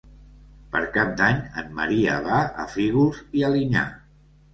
Per Cap d'Any en Maria va a Fígols i Alinyà.